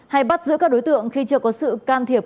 hay bắt giữ các đối tượng khi chưa có sự can thiệp